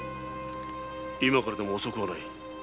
今からでも遅くはない。